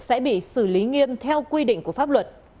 sẽ bị xử lý nghiêm theo quy định của pháp luật